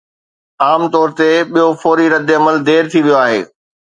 عام طور تي ٻيو فوري رد عمل دير ٿي ويو آهي.